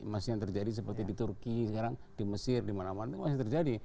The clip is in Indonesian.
masih yang terjadi seperti di turki sekarang di mesir di mana mana itu masih terjadi